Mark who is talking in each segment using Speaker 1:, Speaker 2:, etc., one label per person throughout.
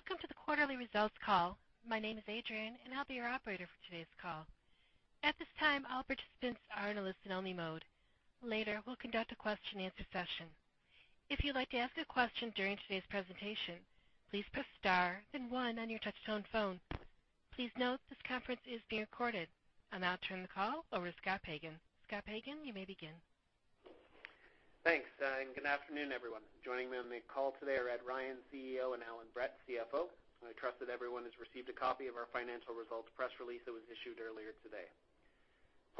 Speaker 1: Welcome to the quarterly results call. My name is Adrian, and I'll be your operator for today's call. At this time, all participants are in a listen-only mode. Later, we'll conduct a question and answer session. If you'd like to ask a question during today's presentation, please press star, then one on your touch-tone phone. Please note this conference is being recorded. I'll now turn the call over to Scott Pagan. Scott Pagan, you may begin.
Speaker 2: Thanks. Good afternoon, everyone. Joining me on the call today are Ed Ryan, CEO, and Allan Brett, CFO. I trust that everyone has received a copy of our financial results press release that was issued earlier today.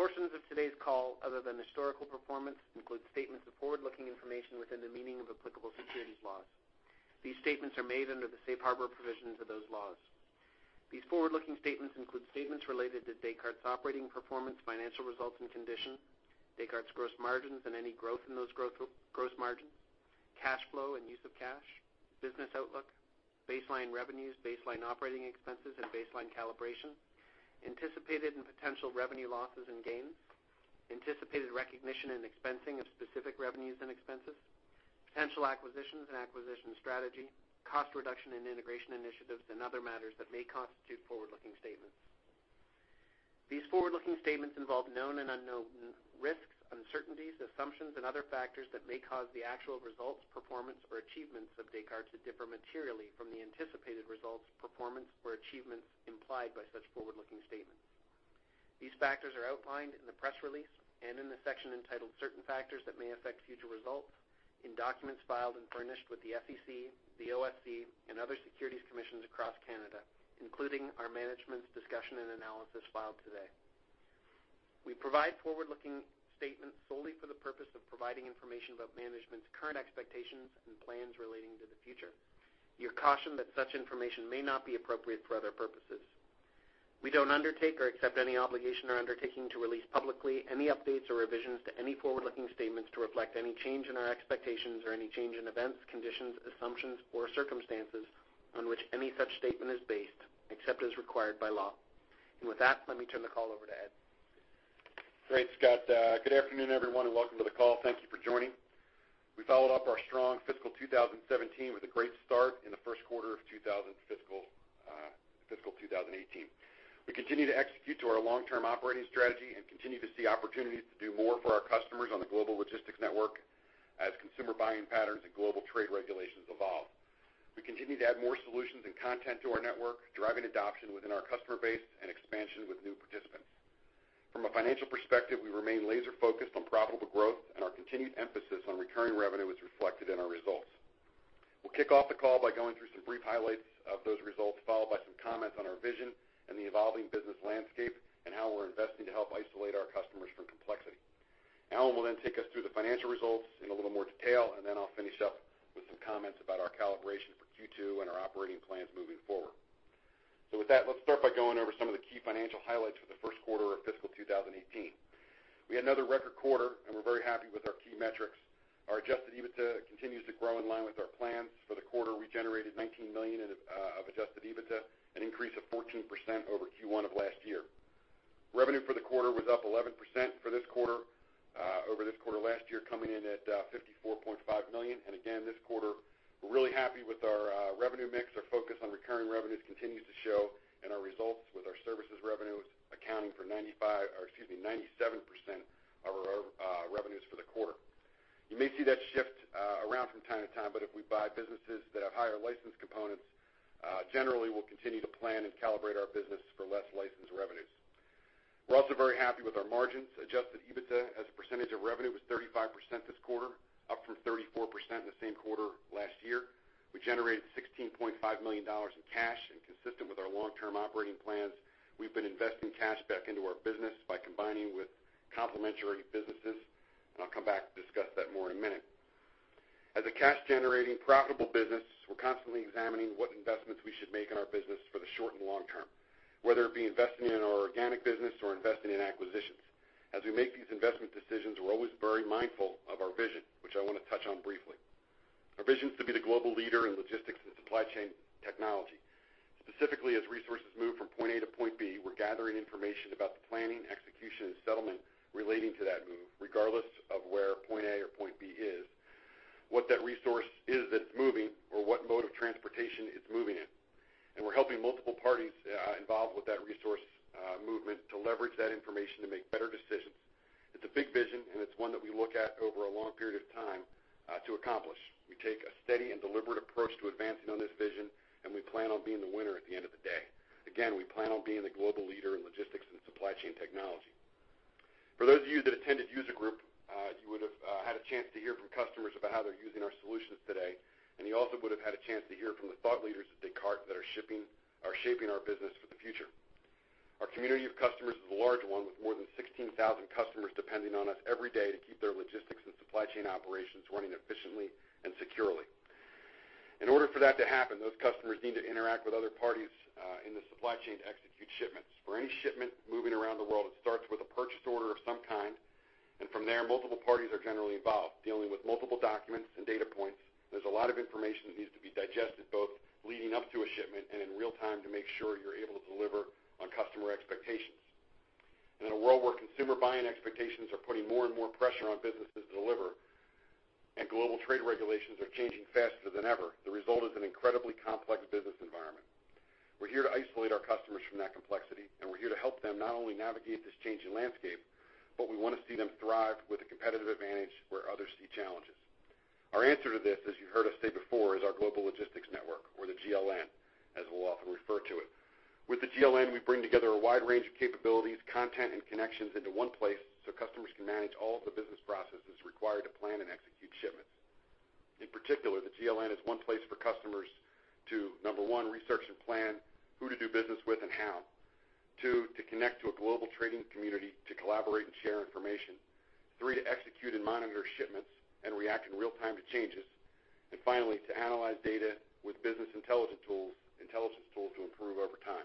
Speaker 2: Portions of today's call, other than historical performance, include statements of forward-looking information within the meaning of applicable securities laws. These statements are made under the safe harbor provisions of those laws. These forward-looking statements include statements related to Descartes' operating performance, financial results, and condition, Descartes' gross margins and any growth in those gross margins, cash flow and use of cash, business outlook, baseline revenues, baseline operating expenses, and baseline calibration, anticipated and potential revenue losses and gains, anticipated recognition and expensing of specific revenues and expenses, potential acquisitions and acquisition strategy, cost reduction and integration initiatives, and other matters that may constitute forward-looking statements. These forward-looking statements involve known and unknown risks, uncertainties, assumptions, and other factors that may cause the actual results, performance, or achievements of Descartes to differ materially from the anticipated results, performance, or achievements implied by such forward-looking statements. These factors are outlined in the press release and in the section entitled Certain Factors That May Affect Future Results in documents filed and furnished with the SEC, the OSC, and other securities commissions across Canada, including our management's discussion and analysis filed today. We provide forward-looking statements solely for the purpose of providing information about management's current expectations and plans relating to the future. You're cautioned that such information may not be appropriate for other purposes. We don't undertake or accept any obligation or undertaking to release publicly any updates or revisions to any forward-looking statements to reflect any change in our expectations or any change in events, conditions, assumptions, or circumstances on which any such statement is based, except as required by law. With that, let me turn the call over to Ed.
Speaker 3: Great, Scott. Good afternoon, everyone, and welcome to the call. Thank you for joining. We followed up our strong fiscal 2017 with a great start in the first quarter of fiscal 2018. We continue to execute to our long-term operating strategy and continue to see opportunities to do more for our customers on the Global Logistics Network as consumer buying patterns and global trade regulations evolve. We continue to add more solutions and content to our network, driving adoption within our customer base and expansion with new participants. From a financial perspective, we remain laser-focused on profitable growth, and our continued emphasis on recurring revenue is reflected in our results. We'll kick off the call by going through some brief highlights of those results, followed by some comments on our vision and the evolving business landscape and how we're investing to help isolate our customers from complexity. Allan will then take us through the financial results in a little more detail, and then I'll finish up with some comments about our calibration for Q2 and our operating plans moving forward. With that, let's start by going over some of the key financial highlights for the first quarter of fiscal 2018. We had another record quarter, and we're very happy with our key metrics. Our adjusted EBITDA continues to grow in line with our plans. For the quarter, we generated 19 million of adjusted EBITDA, an increase of 14% over Q1 of last year. Revenue for the quarter was up 11% over this quarter last year, coming in at 54.5 million. Again, this quarter, we're really happy with our revenue mix. Our focus on recurring revenues continues to show in our results with our services revenues accounting for 97% of our revenues for the quarter. You may see that shift around from time to time, but if we buy businesses that have higher license components, generally, we'll continue to plan and calibrate our business for less license revenues. We're also very happy with our margins. adjusted EBITDA as a percentage of revenue was 35% this quarter, up from 34% in the same quarter last year. We generated 16.5 million dollars in cash. Consistent with our long-term operating plans, we've been investing cash back into our business by combining with complementary businesses, and I'll come back to discuss that more in a minute. As a cash-generating, profitable business, we're constantly examining what investments we should make in our business for the short and long term, whether it be investing in our organic business or investing in acquisitions. As we make these investment decisions, we're always very mindful of our vision, which I want to touch on briefly. Our vision is to be the global leader in logistics and supply chain technology. Specifically, as resources move from point A to point B, we're gathering information about the planning, execution, and settlement relating to that move, regardless of where point A or point B is, what that resource is that's moving, or what mode of transportation it's moving in. We're helping multiple parties involved with that resource movement to leverage that information to make better decisions. It's a big vision, and it's one that we look at over a long period of time to accomplish. We take a steady and deliberate approach to advancing on this vision, and we plan on being the winner at the end of the day. We plan on being the global leader in logistics and supply chain technology. For those of you that attended User Group, you would've had a chance to hear from customers about how they're using our solutions today, and you also would have had a chance to hear from the thought leaders at Descartes that are shaping our business for the future. Our community of customers is a large one, with more than 16,000 customers depending on us every day to keep their logistics and supply chain operations running efficiently and securely. In order for that to happen, those customers need to interact with other parties in the supply chain to execute shipments. For any shipment moving around the world, it starts with a purchase order of some kind, and from there, multiple parties are generally involved, dealing with multiple documents and data points. There's a lot of information that needs to be digested, both leading up to a shipment and in real time to make sure you're able to deliver on customer expectations. In a world where consumer buying expectations are putting more and more pressure on businesses to deliver, and global trade regulations are changing faster than ever, the result is an incredibly complex business environment. We're here to isolate our customers from that complexity, and we're here to help them not only navigate this changing landscape, but we want to see them thrive with a competitive advantage where others see challenges. Our answer to this, as you've heard us say before, is our Global Logistics Network, or the GLN, as we'll often refer to it. With the GLN, we bring together a wide range of capabilities, content, and connections into one place so customers can manage all of the business processes required to plan and execute shipments. In particular, the GLN is one place for customers to, number one, research and plan who to do business with and how. Two, to connect to a global trading community to collaborate and share information. Three, to execute and monitor shipments and react in real time to changes. Finally, to analyze data with business intelligence tools to improve over time.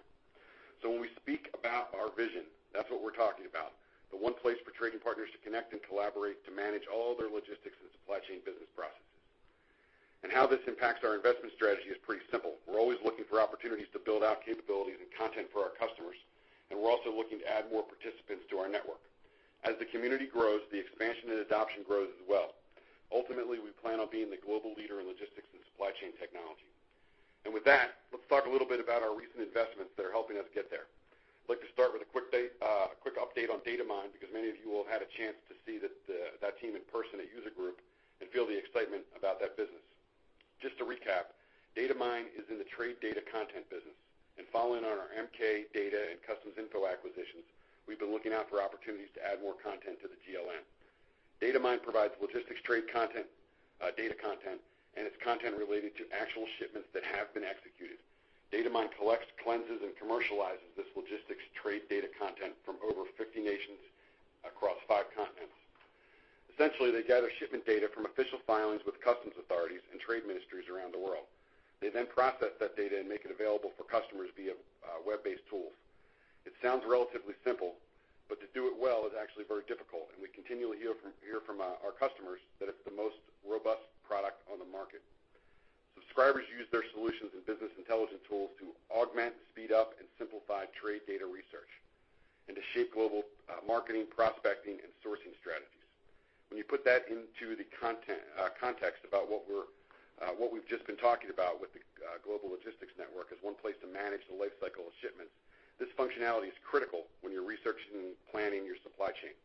Speaker 3: When we speak about our vision, that's what we're talking about, the one place for trading partners to connect and collaborate to manage all their logistics and supply chain business processes. How this impacts our investment strategy is pretty simple. We're always looking for opportunities to build out capabilities and content for our customers, and we're also looking to add more participants to our network. As the community grows, the expansion and adoption grows as well. Ultimately, we plan on being the global leader in logistics and supply chain technology. With that, let's talk a little bit about our recent investments that are helping us get there. I'd like to start with a quick update on Datamyne, because many of you will have had a chance to see that team in person at User Group and feel the excitement about that business. Just to recap, Datamyne is in the trade data content business. Following on our MK Data and Customs Info acquisitions, we've been looking out for opportunities to add more content to the GLN. Datamyne provides logistics trade data content. It's content related to actual shipments that have been executed. Datamyne collects, cleanses, and commercializes this logistics trade data content from over 50 nations across five continents. Essentially, they gather shipment data from official filings with customs authorities and trade ministries around the world. They then process that data and make it available for customers via web-based tools. It sounds relatively simple, but to do it well is actually very difficult. We continually hear from our customers that it's the most robust product on the market. Subscribers use their solutions and business intelligence tools to augment, speed up, and simplify trade data research, to shape global marketing, prospecting, and sourcing strategies. When you put that into the context about what we've just been talking about with the Global Logistics Network as one place to manage the life cycle of shipments, this functionality is critical when you're researching and planning your supply chain,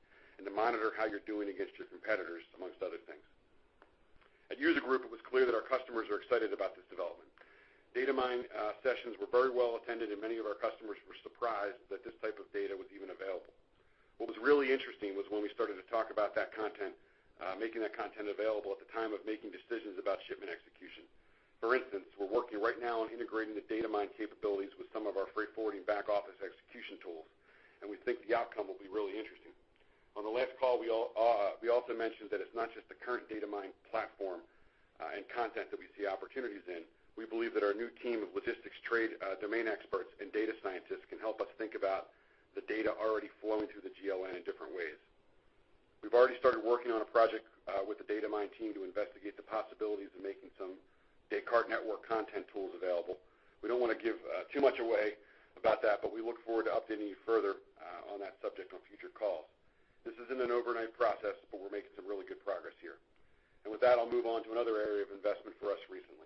Speaker 3: to monitor how you're doing against your competitors, amongst other things. At User Group, it was clear that our customers are excited about this development. Datamyne sessions were very well attended. Many of our customers were surprised that this type of data was even available. What was really interesting was when we started to talk about making that content available at the time of making decisions about shipment execution. For instance, we're working right now on integrating the Datamyne capabilities with some of our freight forwarding back office execution tools. We think the outcome will be really interesting. On the last call, we also mentioned that it's not just the current Datamyne platform and content that we see opportunities in. We believe that our new team of logistics trade domain experts and data scientists can help us think about the data already flowing through the GLN in different ways. We've already started working on a project with the Datamyne team to investigate the possibilities of making some Descartes network content tools available. We don't want to give too much away about that. We look forward to updating you further on that subject on future calls. This isn't an overnight process, we're making some really good progress here. With that, I'll move on to another area of investment for us recently.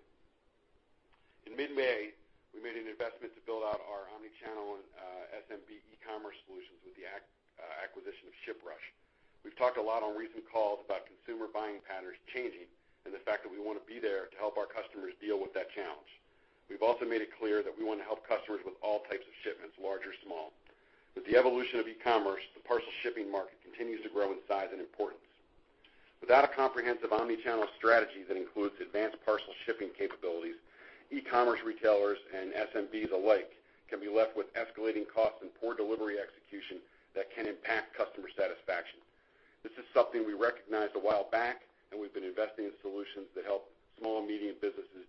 Speaker 3: In mid-May, we made an investment to build out our omnichannel and SMB e-commerce solutions with the acquisition of ShipRush. We've talked a lot on recent calls about consumer buying patterns changing, the fact that we want to be there to help our customers deal with that challenge. We've also made it clear that we want to help customers with all types of shipments, large or small. With the evolution of e-commerce, the parcel shipping market continues to grow in size and importance. Without a comprehensive omnichannel strategy that includes advanced parcel shipping capabilities, e-commerce retailers and SMBs alike can be left with escalating costs and poor delivery execution that can impact customer satisfaction. This is something we recognized a while back. We've been investing in solutions that help small and medium businesses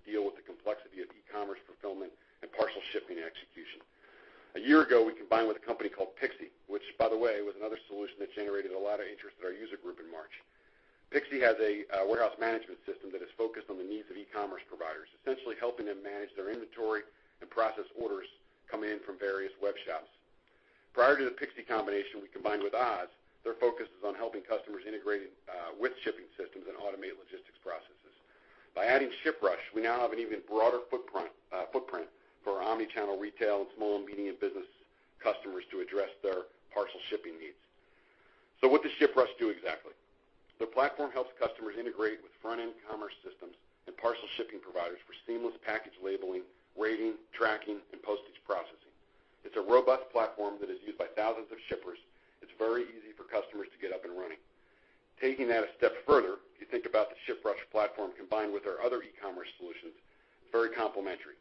Speaker 3: deal with the complexity of e-commerce fulfillment and parcel shipping execution. A year ago, we combined with a company called pixi*, which, by the way, was another solution that generated a lot of interest at our User Group in March. pixi* has a warehouse management system that is focused on the needs of e-commerce providers, essentially helping them manage their inventory and process orders coming in from various web shops. Prior to the pixi* combination, we combined with Oz. Their focus is on helping customers integrating with shipping systems and automate logistics processes. By adding ShipRush, we now have an even broader footprint for our omnichannel retail and small and medium business customers to address their parcel shipping needs. What does ShipRush do exactly? Their platform helps customers integrate with front-end commerce systems and parcel shipping providers for seamless package labeling, rating, tracking, and postage processing. It's a robust platform that is used by thousands of shippers. It's very easy for customers to get up and running. Taking that a step further, if you think about the ShipRush platform combined with our other e-commerce solutions, it's very complementary.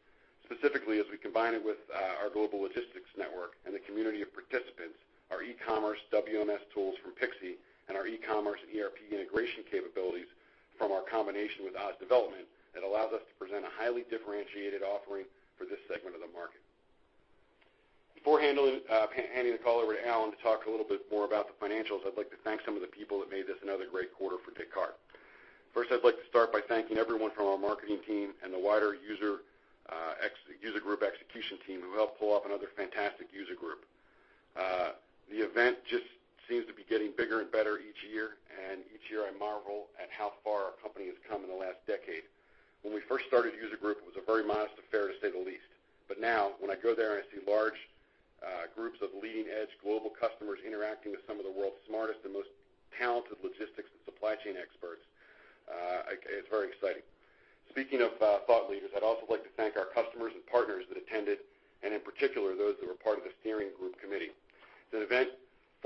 Speaker 3: Specifically, as we combine it with our Global Logistics Network and the community of participants, our e-commerce WMS tools from pixi*, and our e-commerce ERP integration capabilities from our combination with Oz Development, it allows us to present a highly differentiated offering for this segment of the market. Before handing the call over to Allan to talk a little bit more about the financials, I'd like to thank some of the people that made this another great quarter for Descartes. I'd like to start by thanking everyone from our marketing team and the wider User Group execution team who helped pull off another fantastic User Group. The event just seems to be getting bigger and better each year. Each year I marvel at how far our company has come in the last decade. When we first started User Group, it was a very modest affair, to say the least. Now, when I go there and I see large groups of leading-edge global customers interacting with some of the world's smartest and most talented logistics and supply chain experts, it's very exciting. Speaking of thought leaders, I'd also like to thank our customers and partners that attended, and in particular, those that were part of the steering group committee. It's an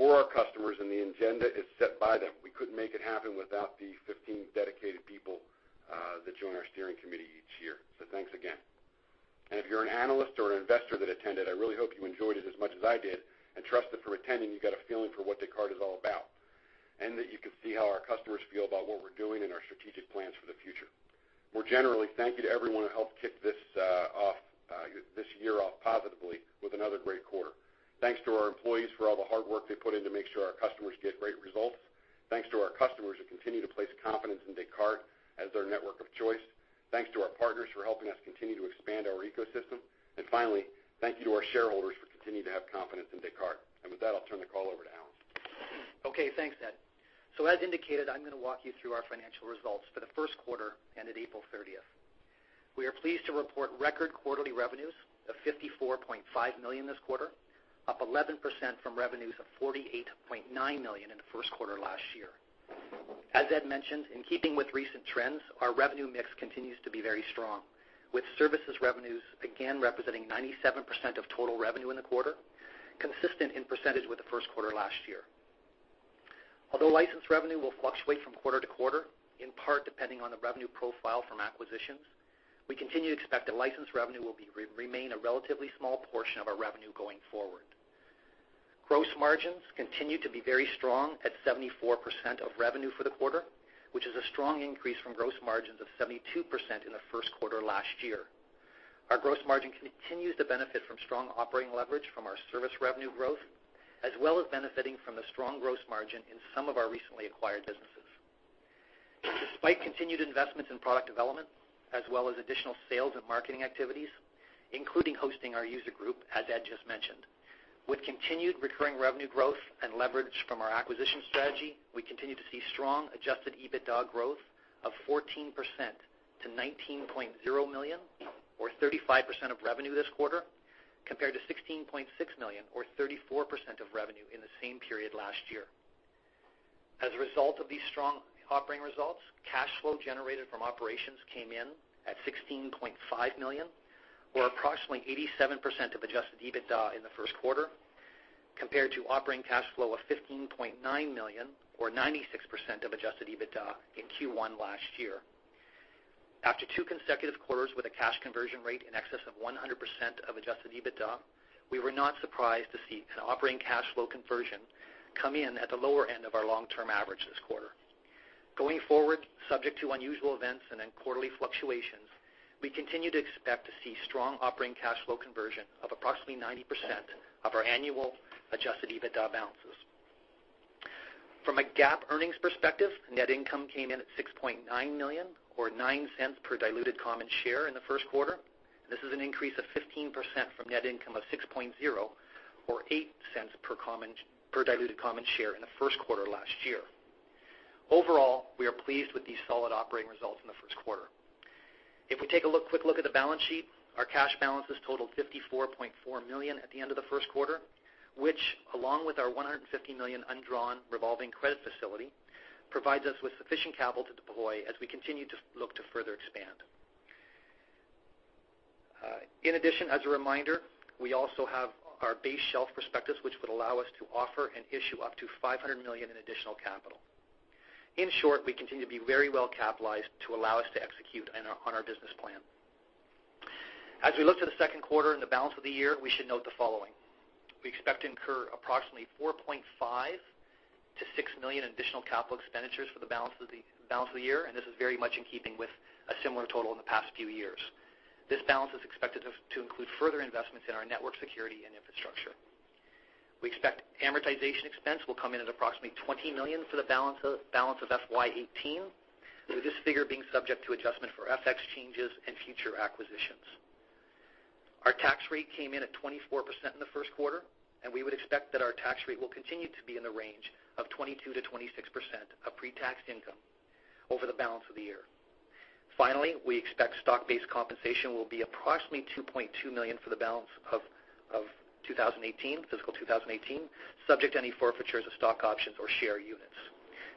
Speaker 3: event for our customers, and the agenda is set by them. We couldn't make it happen without the 15 dedicated people that join our steering committee each year. Thanks again. If you're an analyst or an investor that attended, I really hope you enjoyed it as much as I did, and trust that from attending, you got a feeling for what Descartes is all about, and that you could see how our customers feel about what we're doing and our strategic plans for the future. More generally, thank you to everyone who helped kick this year off positively with another great quarter. Thanks to our employees for all the hard work they put in to make sure our customers get great results. Thanks to our customers who continue to place confidence in Descartes as their network of choice. Thanks to our partners for helping us continue to expand our ecosystem. Finally, thank you to our shareholders for continuing to have confidence in Descartes. With that, I'll turn the call over to Allan.
Speaker 4: Okay, thanks, Ed. As indicated, I am going to walk you through our financial results for the first quarter ended April 30th. We are pleased to report record quarterly revenues of 54.5 million this quarter, up 11% from revenues of 48.9 million in the first quarter last year. As Ed mentioned, in keeping with recent trends, our revenue mix continues to be very strong, with services revenues again representing 97% of total revenue in the quarter, consistent in percentage with the first quarter last year. Although license revenue will fluctuate from quarter to quarter, in part depending on the revenue profile from acquisitions, we continue to expect that license revenue will remain a relatively small portion of our revenue going forward. Gross margins continue to be very strong at 74% of revenue for the quarter, which is a strong increase from gross margins of 72% in the first quarter last year. Our gross margin continues to benefit from strong operating leverage from our service revenue growth, as well as benefiting from the strong gross margin in some of our recently acquired businesses. Despite continued investments in product development as well as additional sales and marketing activities, including hosting our User Group, as Ed just mentioned, with continued recurring revenue growth and leverage from our acquisition strategy, we continue to see strong adjusted EBITDA growth of 14% to 19.0 million or 35% of revenue this quarter, compared to 16.6 million or 34% of revenue in the same period last year. As a result of these strong operating results, cash flow generated from operations came in at 16.5 million, or approximately 87% of adjusted EBITDA in the first quarter, compared to operating cash flow of 15.9 million or 96% of adjusted EBITDA in Q1 last year. After two consecutive quarters with a cash conversion rate in excess of 100% of adjusted EBITDA, we were not surprised to see an operating cash flow conversion come in at the lower end of our long-term average this quarter. Going forward, subject to unusual events and then quarterly fluctuations, we continue to expect to see strong operating cash flow conversion of approximately 90% of our annual adjusted EBITDA balances. From a GAAP earnings perspective, net income came in at 6.9 million or 0.09 per diluted common share in the first quarter. This is an increase of 15% from net income of 6.0 or 0.08 per diluted common share in the first quarter last year. Overall, we are pleased with these solid operating results in the first quarter. If we take a quick look at the balance sheet, our cash balances totaled 54.4 million at the end of the first quarter, which along with our 150 million undrawn revolving credit facility, provides us with sufficient capital to deploy as we continue to look to further expand. In addition, as a reminder, we also have our base shelf prospectus, which would allow us to offer and issue up to 500 million in additional capital. In short, we continue to be very well capitalized to allow us to execute on our business plan. As we look to the second quarter and the balance of the year, we should note the following. We expect to incur approximately 4.5 million-6 million in additional capital expenditures for the balance of the year. This is very much in keeping with a similar total in the past few years. This balance is expected to include further investments in our network security and infrastructure. We expect amortization expense will come in at approximately 20 million for the balance of FY 2018, with this figure being subject to adjustment for FX changes and future acquisitions. Our tax rate came in at 24% in the first quarter. We would expect that our tax rate will continue to be in the range of 22%-26% of pre-tax income over the balance of the year. Finally, we expect stock-based compensation will be approximately 2.2 million for the balance of fiscal 2018, subject to any forfeitures of stock options or share units.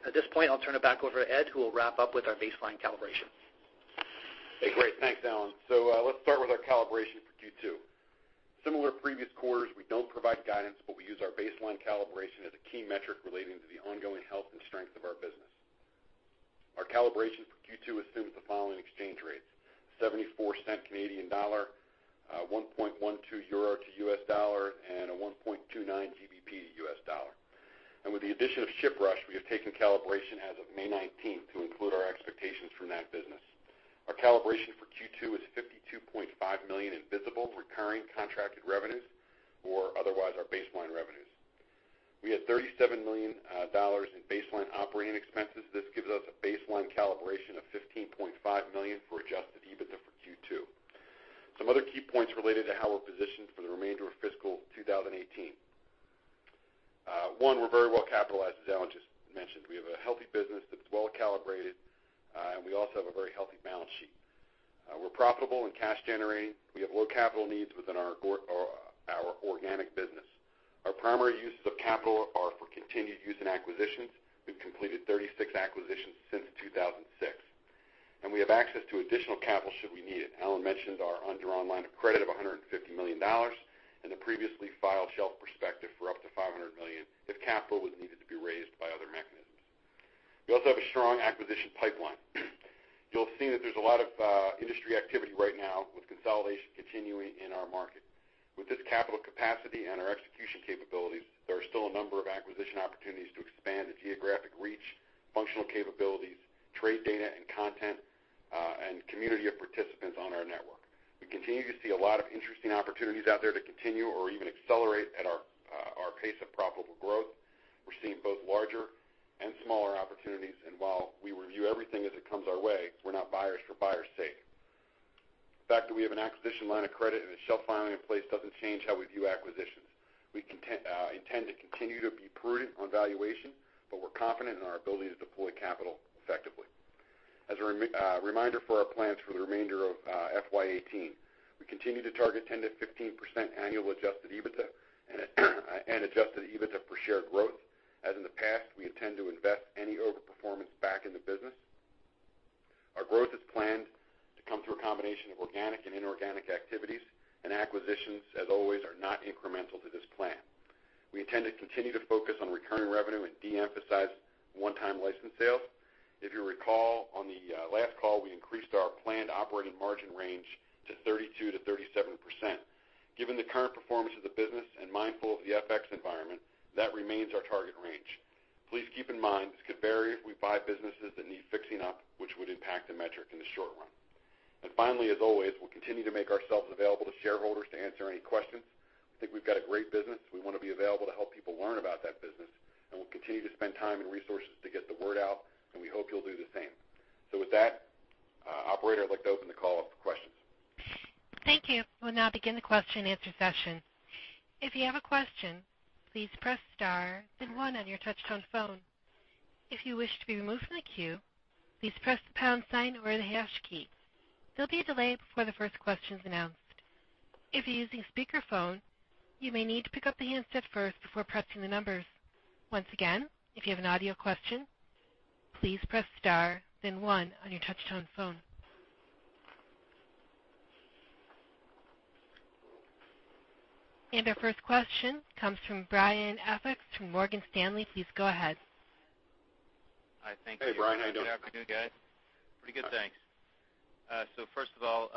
Speaker 4: At this point, I'll turn it back over to Ed, who will wrap up with our baseline calibration.
Speaker 3: Hey, great. Thanks, Allan. Let's start with our calibration for Q2. Similar to previous quarters, we don't provide guidance, but we use our baseline calibration as a key metric relating to the ongoing health and strength of our business. Our calibration for Q2 assumes the following exchange rates: $0.74 Canadian dollar, 1.12 euro to US dollar, and a 1.29 GBP to US dollar. With the addition of ShipRush, we have taken calibration as of May 19th to include our expectations from that business. Our calibration for Q2 is 52.5 million in visible recurring contracted revenues, or otherwise our baseline revenues. We had 37 million dollars in baseline to come through a combination of organic and inorganic activities. Acquisitions, as always, are not incremental to this plan. We intend to continue to focus on recurring revenue and de-emphasize one-time license sales. If you recall on the last call, we increased our planned operating margin range to 32%-37%. Given the current performance of the business and mindful of the FX environment, that remains our target range. Please keep in mind this could vary if we buy businesses that need fixing up, which would impact the metric in the short run. Finally, as always, we'll continue to make ourselves available to shareholders to answer any questions. I think we've got a great business. We want to be available to help people learn about that business. We'll continue to spend time and resources to get the word out. We hope you'll do the same. With that, Operator, I'd like to open the call up for questions.
Speaker 1: Thank you. We'll now begin the question and answer session. If you have a question, please press star then one on your touch-tone phone. If you wish to be removed from the queue, please press the pound sign or the hash key. There'll be a delay before the first question is announced. If you're using speakerphone, you may need to pick up the handset first before pressing the numbers. Once again, if you have an audio question, please press star then one on your touch-tone phone. Our first question comes from Brian Essex from Morgan Stanley. Please go ahead.
Speaker 5: Hi. Thank you.
Speaker 3: Hey, Brian. How you doing?
Speaker 5: Good afternoon, guys. Pretty good, thanks. First of all,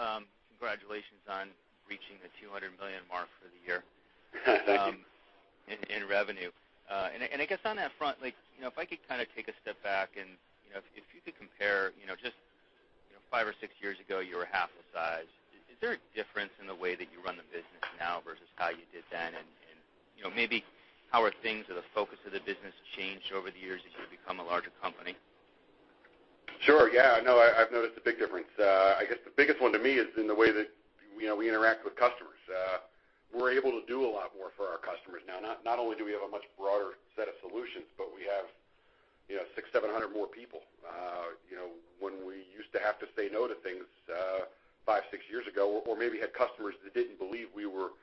Speaker 5: congratulations on reaching the 200 million mark for the year.
Speaker 3: Thank you.
Speaker 5: I guess on that front, if I could take a step back and if you could compare, just five or six years ago, you were half the size. Is there a difference in the way that you run the business now versus how you did then? Maybe how are things or the focus of the business changed over the years as you've become a larger company?
Speaker 3: Sure. Yeah, no, I've noticed a big difference. I guess the biggest one to me is in the way that we interact with customers. We're able to do a lot more for our customers now. Not only do we have a much broader set of solutions, but we have 600, 700 more people. When we used to have to say no to things five, six years ago, or maybe had customers that didn't believe we were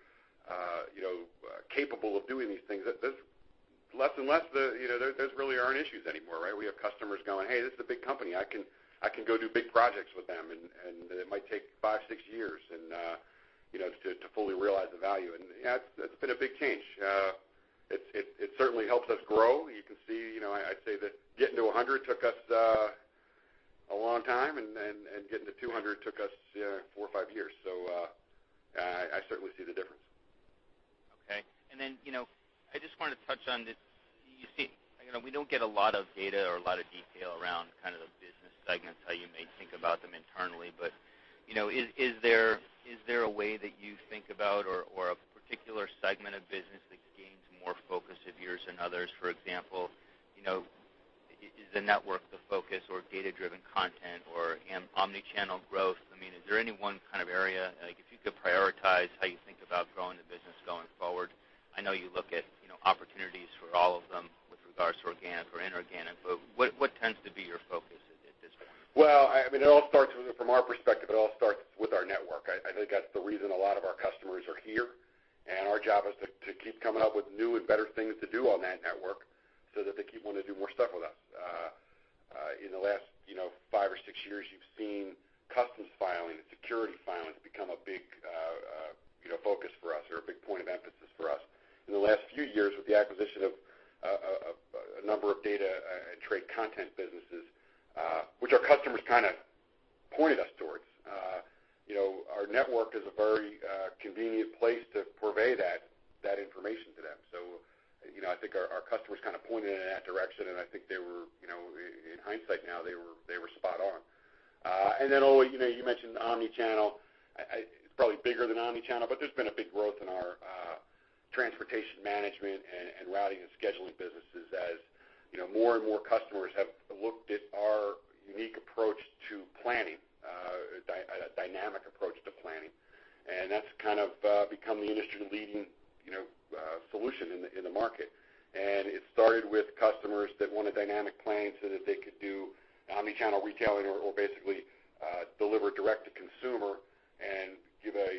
Speaker 3: capable of doing these things, those really aren't issues anymore, right? We have customers going, "Hey, this is a big company. I can go do big projects with them," and it might take five, six years to fully realize the value. That's been a big change. It certainly helps us grow. You can see, I'd say that getting to 100 took us a long time, and getting to 200 took us four or five years. I certainly see the difference.
Speaker 5: Okay. Then, I just wanted to touch on this. We don't get a lot of data or a lot of detail around the business segments, how you may think about them internally, but is there a way that you think about or a particular segment of business that gains more focus of yours than others? For example, is the network the focus or data-driven content or omnichannel growth? Is there any one area, if you could prioritize how you think about growing the business going forward? I know you look at opportunities for all of them with regards to organic or inorganic, but what tends to be your focus at this point?
Speaker 3: From our perspective, it all starts with our network. I think that's the reason a lot of our customers are here, our job is to keep coming up with new and better things to do on that network so that they keep wanting to do more stuff with us. In the last five or six years, you've seen customs filing and security filings become a big focus for us or a big point of emphasis for us. In the last few years, with the acquisition of a number of data and trade content businesses which our customers kind of pointed us towards. Our network is a very convenient place to purvey that information to them. I think our customers kind of pointed in that direction, I think they were, in hindsight now, they were spot on. You mentioned omni-channel. It's probably bigger than omni-channel, there's been a big growth in our transportation management and routing and scheduling businesses as more and more customers have looked at our unique approach to planning, a dynamic approach to planning, that's kind of become the industry-leading solution in the market. It started with customers that want a dynamic plan so that they could do omni-channel retailing or basically deliver direct to consumer, give a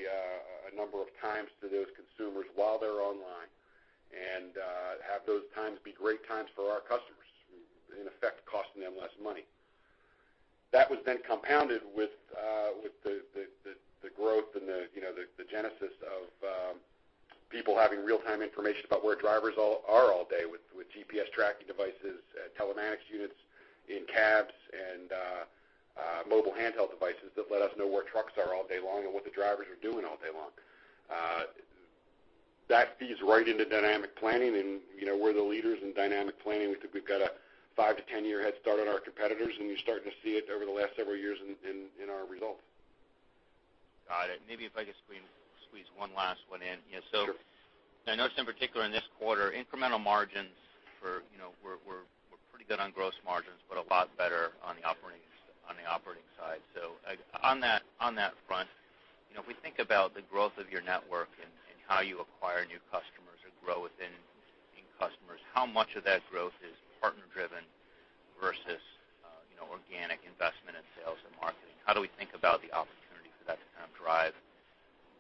Speaker 3: number of times to those consumers while they're online, have those times be great times for our customers, in effect, costing them less money. That was compounded with the growth and the genesis of people having real-time information about where drivers are all day with GPS tracking devices, telematics units in cabs, mobile handheld devices that let us know where trucks are all day long and what the drivers are doing all day long. That feeds right into dynamic planning, we're the leaders in dynamic planning. I think we've got a 5 to 10-year head start on our competitors, you're starting to see it over the last several years in our results.
Speaker 5: Got it. Maybe if I just squeeze one last one in.
Speaker 3: Sure.
Speaker 5: I noticed in particular in this quarter, incremental margins were pretty good on gross margins, but a lot better on the operating side. On that front, if we think about the growth of your network and how you acquire new customers or grow within existing customers, how much of that growth is partner-driven versus organic investment in sales and marketing? How do we think about the opportunity for that to kind of drive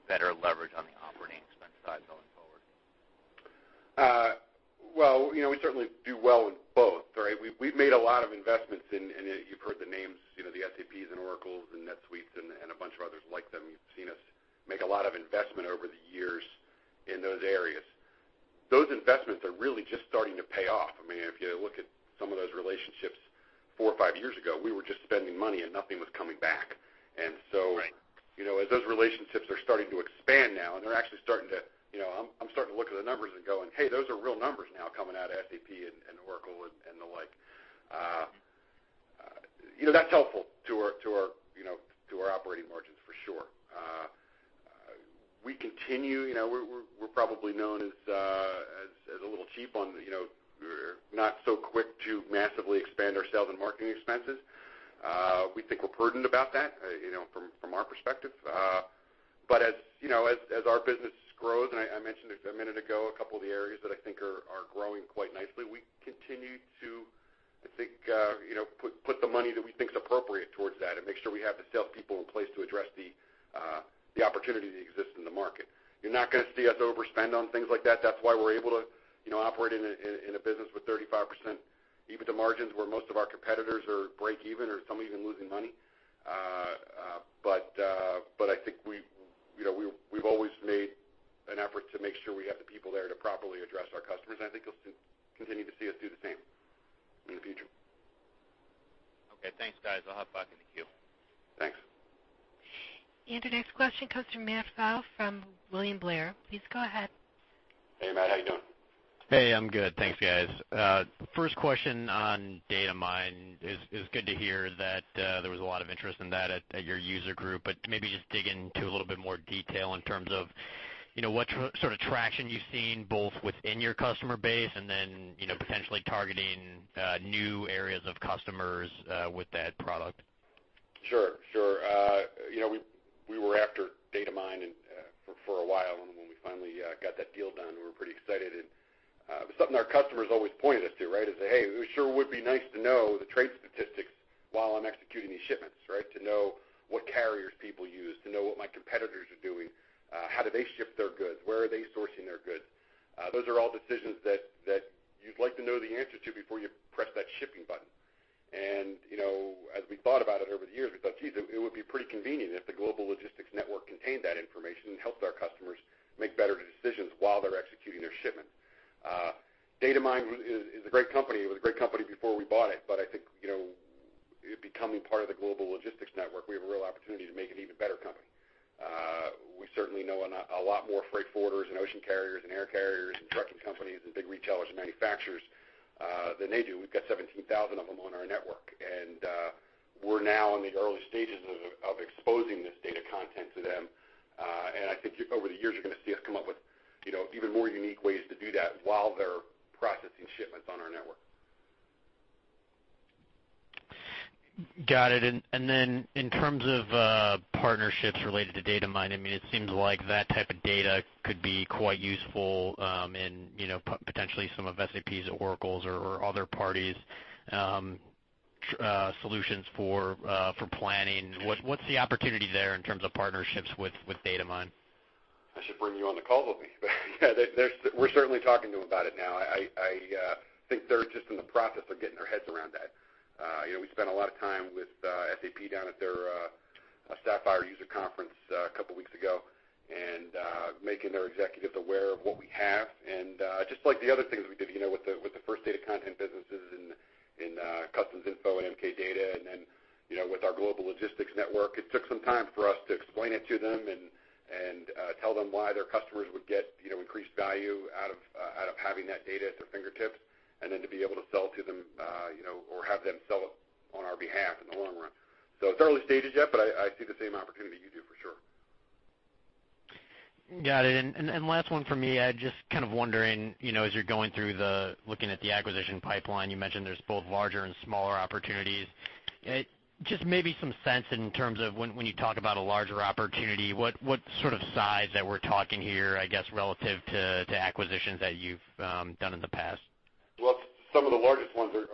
Speaker 5: better leverage on the operating expense side going forward?
Speaker 3: Well, we certainly do well in both, right? We've made a lot of investments in, and you've heard the names, the SAPs and Oracles and NetSuite and a bunch of others like them. You've seen us make a lot of investment over the years in those areas. Those investments are really just starting to pay off. If you look at some of those relationships four or five years ago, we were just spending money and nothing was coming back.
Speaker 5: Right.
Speaker 3: As those relationships are starting to expand now, and they're actually starting to look at the numbers and going, "Hey, those are real numbers now coming out of SAP and Oracle and the like." That's helpful to our operating margins for sure. We're probably known as a little cheap on the, we're not so quick to massively expand our sales and marketing expenses. We think we're prudent about that from our perspective. As our business grows, and I mentioned this a minute ago, a couple of the areas that I think are growing quite nicely, we continue to, I think, put the money that we think is appropriate towards that and make sure we have the salespeople in place to address the opportunity that exists in the market. You're not going to see us overspend on things like that. That's why we're able to operate in a business with 35% EBITDA margins where most of our competitors are break even or some even losing money. I think we've always made an effort to make sure we have the people there to properly address our customers, and I think you'll continue to see us do the same in the future.
Speaker 5: Okay, thanks, guys. I'll hop back in the queue.
Speaker 3: Thanks.
Speaker 1: The next question comes from Matt Pfau from William Blair. Please go ahead.
Speaker 3: Hey, Matt. How you doing?
Speaker 6: Hey, I'm good. Thanks, guys. First question on Datamyne. It's good to hear that there was a lot of interest in that at your User Group, but maybe just dig into a little bit more detail in terms of what sort of traction you've seen both within your customer base and then potentially targeting new areas of customers with that product.
Speaker 3: Sure. We were after Datamyne for a while. When we finally got that deal done, we were pretty excited. It was something our customers always pointed us to, right? Say, "Hey, it sure would be nice to know the trade statistics while I'm executing these shipments, right? To know what carriers people use, to know what my competitors are doing, how do they ship their goods? Where are they sourcing their goods?" Those are all decisions that you'd like to know the answer to before you press that shipping button. As we thought about it over the years, we thought, "Geez, it would be pretty convenient if the Global Logistics Network contained that information and helped our customers make better decisions while they're executing their shipment." Datamyne is a great company. It was a great company before we bought it, but I think, it becoming part of the Global Logistics Network, we have a real opportunity to make it an even better company. We certainly know a lot more freight forwarders and ocean carriers and air carriers and trucking companies and big retailers and manufacturers than they do. We've got 17,000 of them on our network, and we're now in the early stages of exposing this data content to them. I think over the years, you're going to see us come up with even more unique ways to do that while they're processing shipments on our network.
Speaker 6: Got it. In terms of partnerships related to Datamyne, it seems like that type of data could be quite useful in potentially some of SAP's, Oracle's, or other parties' solutions for planning. What's the opportunity there in terms of partnerships with Datamyne?
Speaker 3: I should bring you on the calls with me. We're certainly talking to them about it now. I think they're just in the process of getting their heads around that. We spent a lot of time with SAP down at their SAP Sapphire User Group Conference a couple of weeks ago, and making their executives aware of what we have. Just like the other things we did with the First Data content businesses and Customs Info and MK Data and then with our Global Logistics Network, it took some time for us to explain it to them and tell them why their customers would get increased value out of having that data at their fingertips, and then to be able to sell to them or have them sell it on our behalf in the long run. It's early stages yet, but I see the same opportunity you do for sure.
Speaker 6: Got it. Last one from me. Just kind of wondering, as you're going through looking at the acquisition pipeline, you mentioned there's both larger and smaller opportunities. Just maybe some sense in terms of when you talk about a larger opportunity, what sort of size that we're talking here, I guess, relative to acquisitions that you've done in the past?
Speaker 3: Some of the largest ones are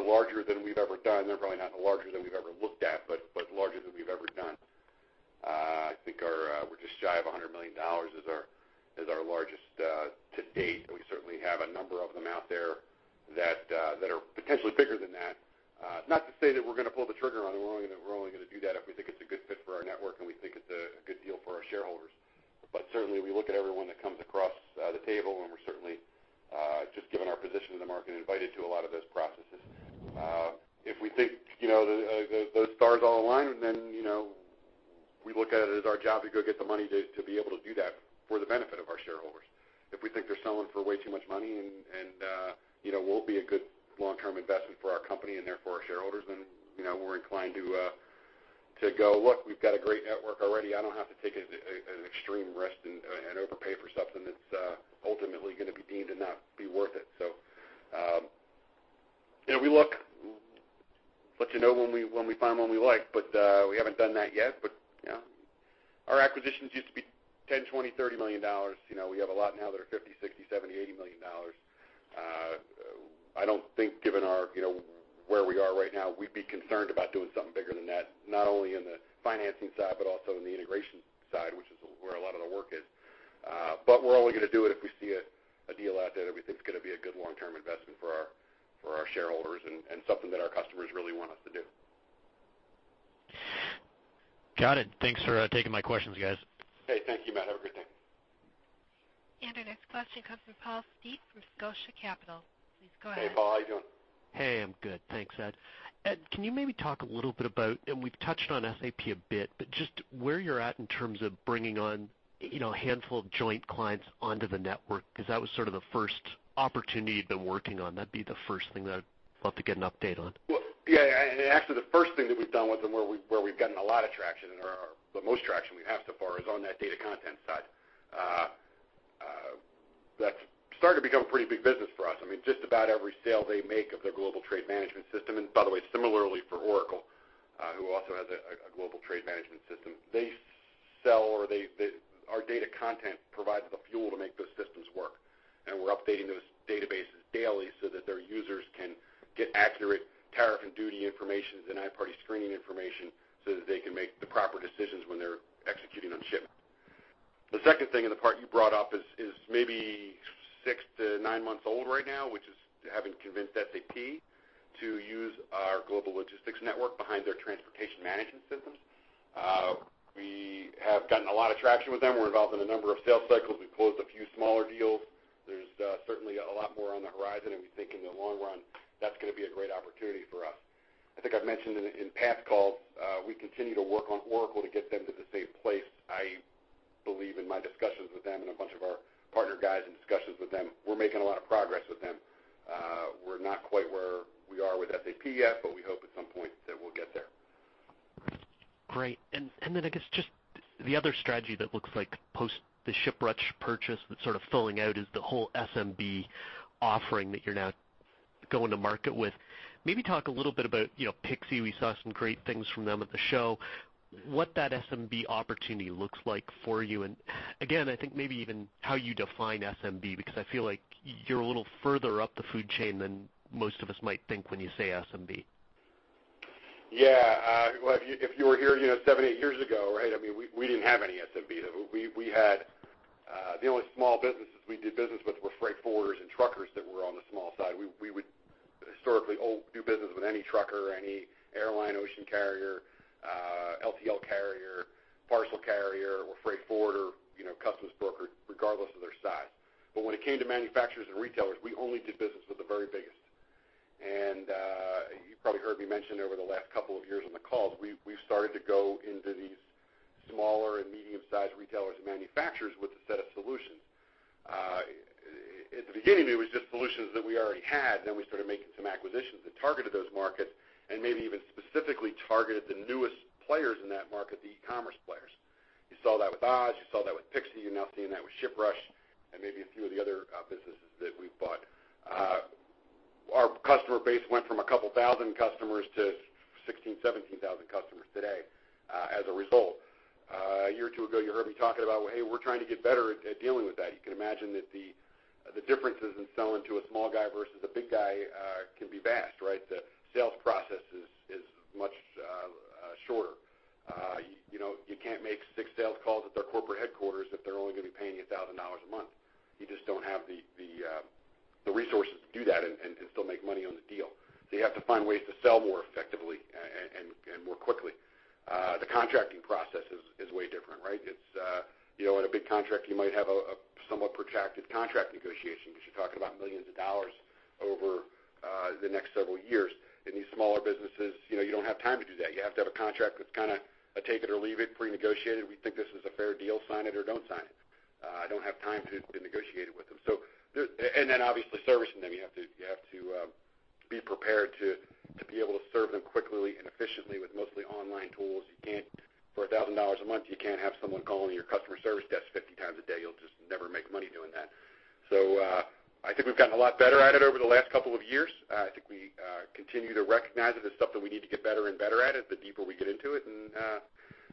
Speaker 3: larger than we've ever done. They're probably not larger than we've ever looked at, but larger than we've ever done. I think we're just shy of 100 million dollars is our largest to date. We certainly have a number of them out there that are potentially bigger than that. Not to say that we're going to pull the trigger on them. We're only going to do that if we think it's a good fit for our network, and we think it's a good deal for our shareholders. Certainly, we look at everyone that comes across the table, and we're certainly, just given our position in the market, invited to a lot of those processes. If we think those stars all align, we look at it as our job to go get the money to be able to do that for the benefit of our shareholders. If we think they're selling for way too much money and it won't be a good long-term investment for our company and therefore our shareholders, we're inclined to go, "Look, we've got a great network already. I don't have to take an extreme risk and overpay for something that's ultimately going to be deemed to not be worth it." We look to know when we find one we like, but we haven't done that yet. Yeah. Our acquisitions used to be 10 million, 20 million, 30 million dollars. We have a lot now that are 50 million, 60 million, 70 million, 80 million dollars. I don't think given where we are right now, we'd be concerned about doing something bigger than that, not only in the financing side, but also in the integration side, which is where a lot of the work is. We're only going to do it if we see a deal out there that we think is going to be a good long-term investment for our shareholders and something that our customers really want us to do.
Speaker 6: Got it. Thanks for taking my questions, guys.
Speaker 3: Hey, thank you, Matt. Have a great day.
Speaker 1: Our next question comes from Paul Steep from Scotia Capital. Please go ahead.
Speaker 3: Hey, Paul. How you doing?
Speaker 7: Hey, I'm good. Thanks, Ed. Ed, can you maybe talk a little bit about, and we've touched on SAP a bit, but just where you're at in terms of bringing on a handful of joint clients onto the network, because that was sort of the first opportunity you'd been working on. That'd be the first thing that I'd love to get an update on.
Speaker 3: Well, yeah, and actually the first thing that we've done with them where we've gotten a lot of traction or the most traction we have so far is on that data content side. That's started to become a pretty big business for us. I mean, just about every sale they make of their global trade management system, and by the way, similarly for Oracle, who also has a global trade management system. Our data content provides the fuel to make those systems work, and we're updating those databases daily so that their users can get accurate tariff and duty information and denied party screening information so that they can make the proper decisions when they're executing on shipments. The second thing, and the part you brought up is maybe six to nine months old right now, which is having convinced SAP to use our Global Logistics Network behind their transportation management systems. We have gotten a lot of traction with them. We've closed a few smaller deals. There's certainly a lot more on the horizon, and we think in the long run, that's going to be a great opportunity for us. I think I've mentioned in past calls, we continue to work on Oracle to get them to the same place. I believe in my discussions with them and a bunch of our partner guys and discussions with them, we're making a lot of progress with them. We're not quite where we are with SAP yet, but we hope at some point that we'll get there.
Speaker 7: Great. I guess just the other strategy that looks like post the ShipRush purchase that's sort of filling out is the whole SMB offering that you're now going to market with. Maybe talk a little bit about pixi*. We saw some great things from them at the show. What that SMB opportunity looks like for you, and again, I think maybe even how you define SMB, because I feel like you're a little further up the food chain than most of us might think when you say SMB.
Speaker 3: Yeah. Well, if you were here seven, eight years ago, right? We didn't have any SMB. The only small businesses we did business with were freight forwarders and truckers that were on the small side. We would historically do business with any trucker, any airline, ocean carrier, LTL carrier, parcel carrier, or freight forwarder, customs broker, regardless of their size. When it came to manufacturers and retailers, we only did business with the very biggest. You probably heard me mention over the last couple of years on the calls, we've started to go into these smaller and medium-sized retailers and manufacturers with a set of solutions. At the beginning, it was just solutions that we already had. We started making some acquisitions that targeted those markets and maybe even specifically targeted the newest players in that market, the e-commerce players. You saw that with Oz, you saw that with pixi*. You're now seeing that with ShipRush and maybe a few of the other businesses that we've bought. Our customer base went from a couple thousand customers to 16,000, 17,000 customers today as a result. A year or two ago, you heard me talking about, hey, we're trying to get better at dealing with that. You can imagine that the differences in selling to a small guy versus a big guy can be vast,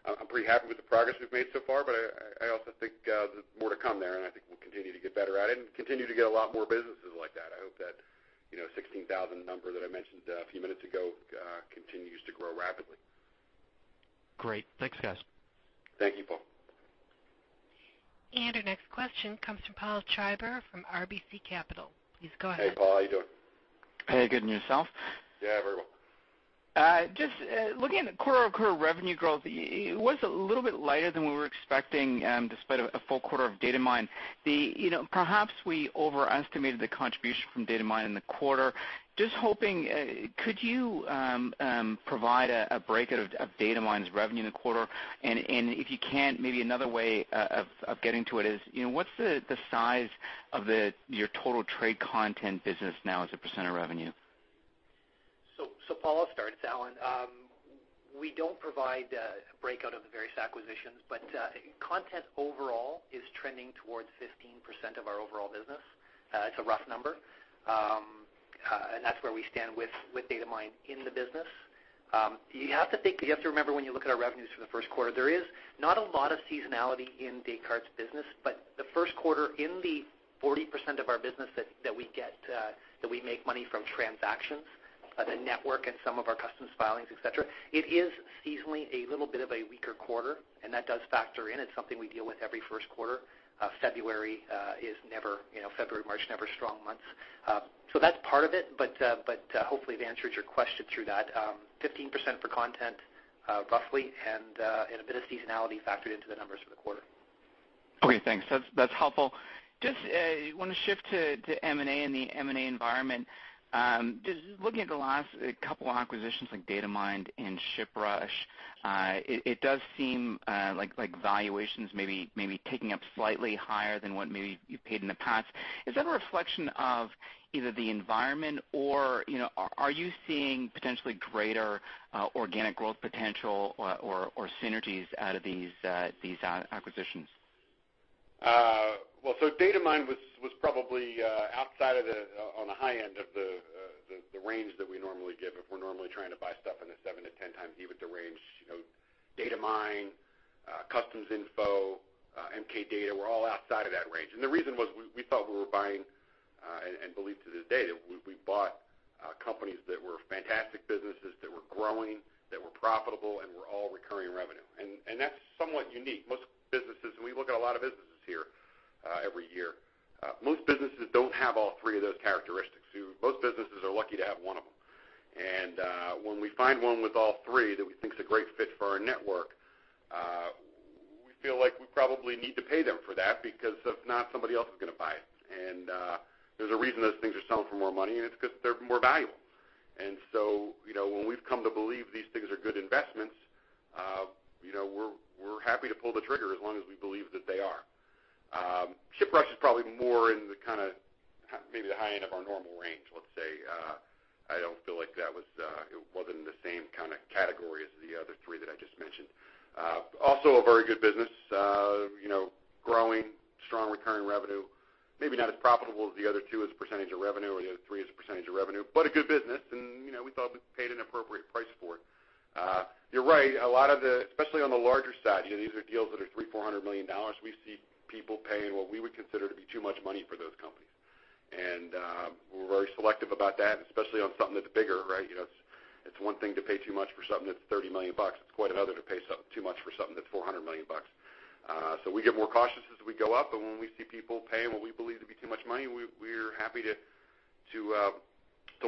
Speaker 3: it, I'm pretty happy with the progress we've made so far. I also think there's more to come there, and I think we'll continue to get better at it and continue to get a lot more businesses like that. I hope that 16,000 number that I mentioned a few minutes ago continues to grow rapidly.
Speaker 7: Great. Thanks, guys.
Speaker 3: Thank you, Paul.
Speaker 1: Our next question comes from Paul Treiber from RBC Capital. Please go ahead.
Speaker 3: Hey, Paul, how you doing?
Speaker 8: Hey, good. Yourself?
Speaker 3: Yeah, very well.
Speaker 8: Just looking at the core revenue growth, it was a little bit lighter than we were expecting, despite a full quarter of Datamyne. Perhaps we overestimated the contribution from Datamyne in the quarter. Just hoping, could you provide a breakout of Datamyne's revenue in the quarter? If you can't, maybe another way of getting to it is, what's the size of your total trade content business now as a % of revenue?
Speaker 4: Paul, I'll start. It's Allan. We don't provide a breakout of the various acquisitions, content overall is trending towards 15% of our overall business. It's a rough number. That's where we stand with Datamyne in the business. You have to remember when you look at our revenues for the first quarter, there is not a lot of seasonality in Descartes' business, the first quarter in the 40% of our business that we make money from transactions, the network, and some of our customs filings, et cetera, it is seasonally a little bit of a weaker quarter, and that does factor in. It's something we deal with every first quarter. February, March, never strong months. That's part of it, hopefully I've answered your question through that. 15% for content, roughly, a bit of seasonality factored into the numbers for the quarter.
Speaker 8: Okay, thanks. That's helpful. Just want to shift to M&A and the M&A environment. Just looking at the last couple acquisitions, like Datamyne and ShipRush, it does seem like valuations may be ticking up slightly higher than what maybe you've paid in the past. Is that a reflection of either the environment or are you seeing potentially greater organic growth potential or synergies out of these acquisitions?
Speaker 3: Datamyne was probably on the high end of the range that we normally give if we're normally trying to buy stuff in the seven to 10 times EBITDA range. Datamyne, Customs Info, and MK Data were all outside of that range. The reason was we thought we were buying, and believe to this day, that we bought companies that were fantastic businesses, that were growing, that were profitable, and were all recurring revenue. That's somewhat unique. Most businesses, we look at a lot of businesses here every year, most businesses don't have all three of those characteristics. Most businesses are lucky to have one of them. When we find one with all three that we think is a great fit for our network, we feel like we probably need to pay them for that because if not, somebody else is going to buy it. There's a reason those things are selling for more money, it's because they're more valuable. When we've come to believe these things are good investments, we're happy to pull the trigger as long as we believe that they are. ShipRush is probably more in the kind of maybe the high end of our normal range, let's say. I don't feel like that was in the same kind of category as the other three that I just mentioned. Also a very good business. Growing, strong recurring revenue, maybe not as profitable as the other two as a percentage of revenue, or the other three as a percentage of revenue, a good business, we thought we paid an appropriate price for it. You're right, especially on the larger side, these are deals that are 300 million, 400 million dollars. We see people paying what we would consider to be too much money for those companies. We're very selective about that, especially on something that's bigger, right? It's one thing to pay too much for something that's 30 million bucks. It's quite another to pay too much for something that's 400 million bucks. We get more cautious as we go up. When we see people paying what we believe to be too much money, we're happy to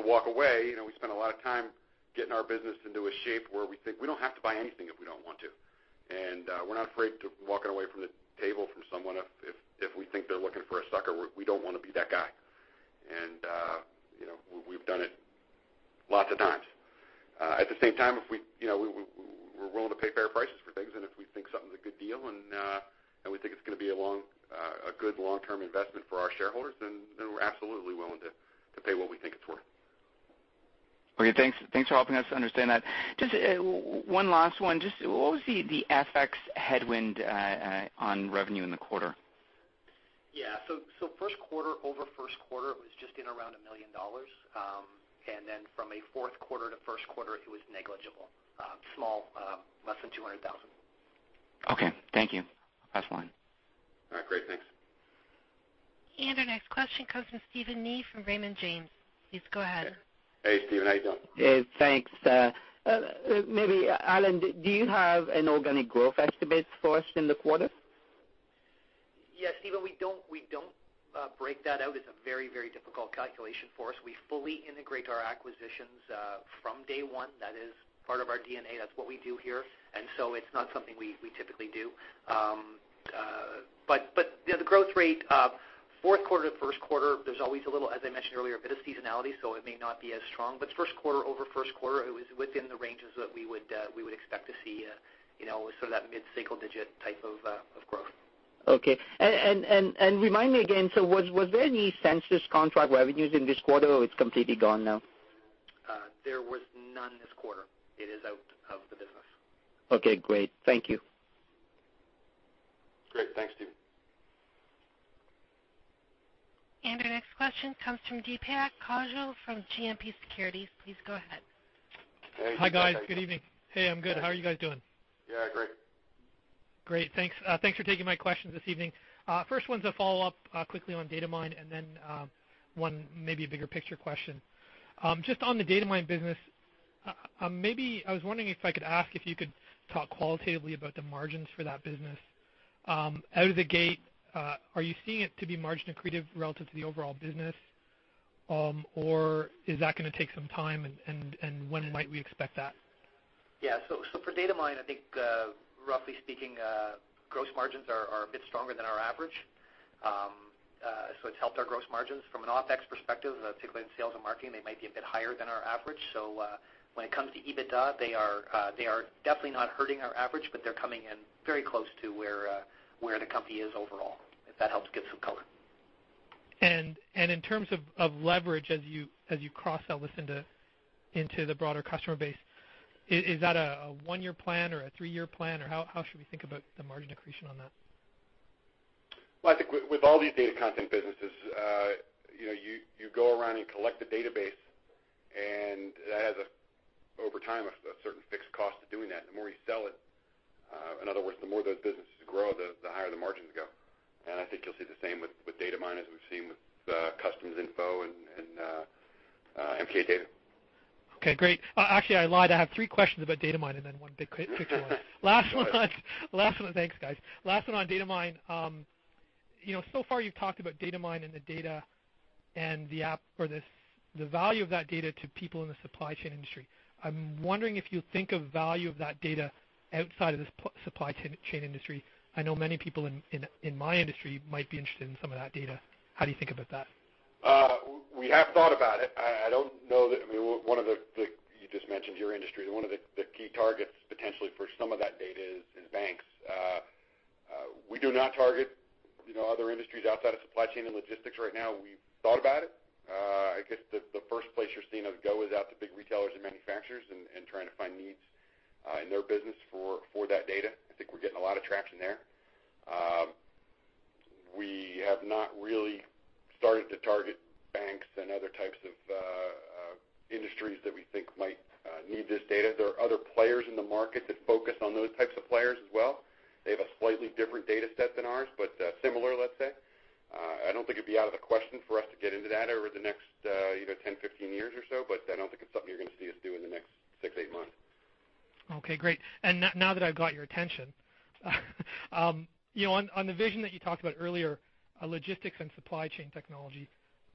Speaker 3: walk away. We spend a lot of time getting our business into a shape where we think we don't have to buy anything if we don't want to. We're not afraid to walking away from the table from someone if we think they're looking for a sucker. We don't want to be that guy. We've done it lots of times. At the same time, if we're willing to pay fair prices for things, and if we think something's a good deal, and we think it's going to be a good long-term investment for our shareholders, then we're absolutely willing to pay what we think it's worth.
Speaker 8: Okay, thanks for helping us understand that. Just one last one. What was the FX headwind on revenue in the quarter?
Speaker 4: Yeah. First quarter over first quarter was just in around 1 million dollars. From a fourth quarter to first quarter, it was negligible. Small, less than 200,000.
Speaker 8: Okay. Thank you. Last one.
Speaker 3: All right, great. Thanks.
Speaker 1: Our next question comes from Steven Li from Raymond James. Please go ahead.
Speaker 3: Hey, Steven, how you doing?
Speaker 9: Thanks. Maybe Allan, do you have an organic growth estimate for us in the quarter?
Speaker 4: Yeah, Steven, we don't break that out. It's a very, very difficult calculation for us. We fully integrate our acquisitions from day one. That is part of our DNA. That's what we do here. It's not something we typically do. The growth rate Fourth quarter to first quarter, there's always a little, as I mentioned earlier, a bit of seasonality, so it may not be as strong. First quarter over first quarter, it was within the ranges that we would expect to see, so that mid-single digit type of growth.
Speaker 9: Okay. Remind me again, was there any census contract revenues in this quarter, or it's completely gone now?
Speaker 4: There was none this quarter. It is out of the business.
Speaker 9: Okay, great. Thank you.
Speaker 3: Great. Thanks, Steven.
Speaker 1: Our next question comes from Deepak Kaushal from GMP Securities. Please go ahead.
Speaker 3: Hey, Deepak, how you doing?
Speaker 10: Hi, guys. Good evening. Hey, I'm good. How are you guys doing?
Speaker 3: Yeah, great.
Speaker 10: Great. Thanks for taking my questions this evening. First one's a follow-up quickly on Datamyne and then one maybe a bigger picture question. Just on the Datamyne business, I was wondering if I could ask if you could talk qualitatively about the margins for that business. Out of the gate, are you seeing it to be margin accretive relative to the overall business? Or is that going to take some time, and when might we expect that?
Speaker 4: Yeah. For Datamyne, I think roughly speaking, gross margins are a bit stronger than our average. It's helped our gross margins. From an OpEx perspective, particularly in sales and marketing, they might be a bit higher than our average. When it comes to EBITDA, they are definitely not hurting our average, but they're coming in very close to where the company is overall, if that helps give some color.
Speaker 10: In terms of leverage as you cross-sell this into the broader customer base, is that a one-year plan or a three-year plan, or how should we think about the margin accretion on that?
Speaker 3: Well, I think with all these data content businesses, you go around and collect the database, and that has, over time, a certain fixed cost of doing that. The more you sell it, in other words, the more those businesses grow, the higher the margins go. I think you'll see the same with Datamyne as we've seen with Customs Info and MK Data.
Speaker 10: Okay, great. Actually, I lied. I have three questions about Datamyne and then one big picture one.
Speaker 3: That's all right.
Speaker 10: Thanks, guys. Last one on Datamyne. So far you've talked about Datamyne and the data and the app, or the value of that data to people in the supply chain industry. I'm wondering if you think of value of that data outside of the supply chain industry. I know many people in my industry might be interested in some of that data. How do you think about that?
Speaker 3: We have thought about it. You just mentioned your industry. One of the key targets potentially for some of that data is in banks. We do not target other industries outside of supply chain and logistics right now. We've thought about it. I guess the first place you're seeing us go is out to big retailers and manufacturers and trying to find needs in their business for that data. I think we're getting a lot of traction there. We have not really started to target banks and other types of industries that we think might need this data. There are other players in the market that focus on those types of players as well. They have a slightly different data set than ours, but similar, let's say. I don't think it'd be out of the question for us to get into that over the next 10, 15 years or so, but I don't think it's something you're going to see us do in the next six, eight months.
Speaker 10: Okay, great. Now that I've got your attention, on the vision that you talked about earlier, logistics and supply chain technology,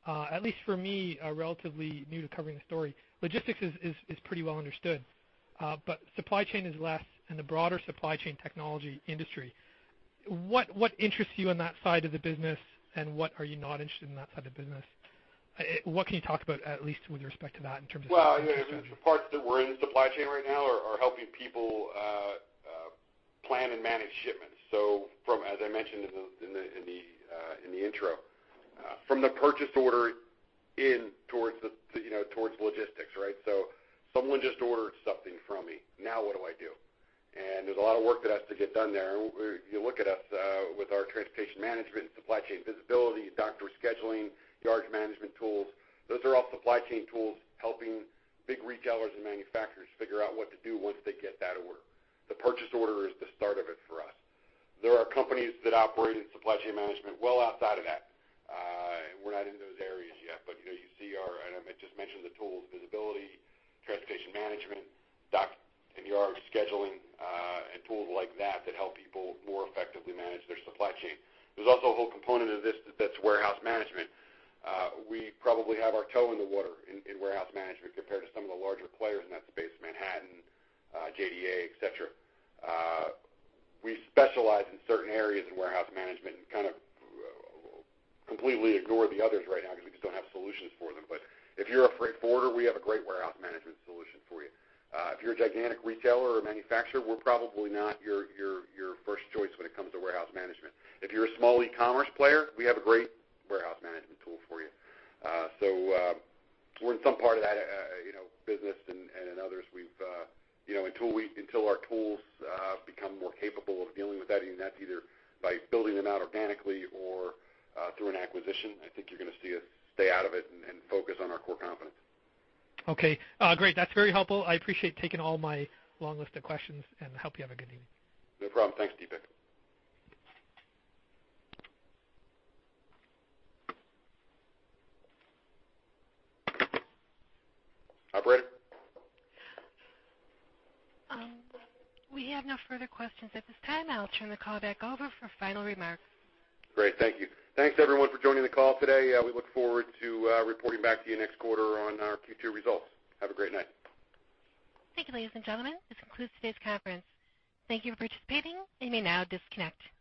Speaker 10: at least for me, relatively new to covering the story, logistics is pretty well understood. Supply chain is less, and the broader supply chain technology industry. What interests you on that side of the business, and what are you not interested in that side of the business? What can you talk about, at least with respect to that, in terms of supply chain?
Speaker 3: The parts that we're in the supply chain right now are helping people plan and manage shipments. From, as I mentioned in the intro, from the purchase order in towards logistics. Someone just ordered something from me. Now what do I do? There's a lot of work that has to get done there. You look at us with our transportation management and supply chain visibility, dock rescheduling, yard management tools, those are all supply chain tools helping big retailers and manufacturers figure out what to do once they get that order. The purchase order is the start of it for us. There are companies that operate in supply chain management well outside of that. We're not in those areas yet. You see our, I just mentioned the tools, visibility, transportation management, dock and yard rescheduling, and tools like that help people more effectively manage their supply chain. There's also a whole component of this that's warehouse management. We probably have our toe in the water in warehouse management compared to some of the larger players in that space, Manhattan, JDA, et cetera. We specialize in certain areas of warehouse management and kind of completely ignore the others right now because we just don't have solutions for them. If you're a freight forwarder, we have a great warehouse management solution for you. If you're a gigantic retailer or manufacturer, we're probably not your first choice when it comes to warehouse management. If you're a small e-commerce player, we have a great warehouse management tool for you. We're in some part of that business and in others. Until our tools become more capable of dealing with that, and that's either by building them out organically or through an acquisition, I think you're going to see us stay out of it and focus on our core competence.
Speaker 10: Okay. Great. That's very helpful. I appreciate taking all my long list of questions, and I hope you have a good evening.
Speaker 3: No problem. Thanks, Deepak. Operator?
Speaker 1: We have no further questions at this time. I'll turn the call back over for final remarks.
Speaker 3: Great. Thank you. Thanks, everyone, for joining the call today. We look forward to reporting back to you next quarter on our Q2 results. Have a great night.
Speaker 1: Thank you, ladies and gentlemen. This concludes today's conference. Thank you for participating. You may now disconnect.